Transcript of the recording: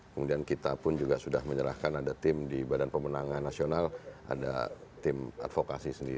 kemudian kita pun juga sudah menyerahkan ada tim di badan pemenangan nasional ada tim advokasi sendiri